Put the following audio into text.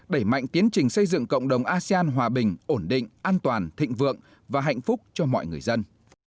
đẩy mạnh tiến trình xây dựng cộng đồng asean hòa bình ổn định an toàn thịnh vượng và hạnh phúc cho mọi người dân